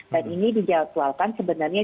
dan ini dijadwalkan sebenarnya